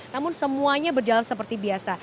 namun semuanya berjalan seperti biasa